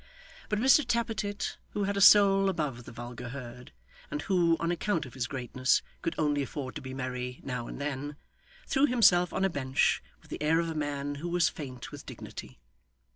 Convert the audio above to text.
But Mr Tappertit, who had a soul above the vulgar herd, and who, on account of his greatness, could only afford to be merry now and then, threw himself on a bench with the air of a man who was faint with dignity.